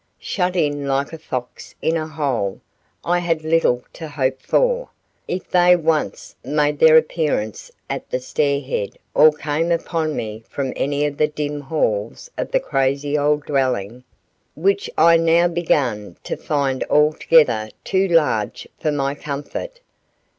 Shut in like a fox in a hole, I had little to hope for, if they once made their appearance at the stairhead or came upon me from any of the dim halls of the crazy old dwelling, which I now began to find altogether too large for my comfort.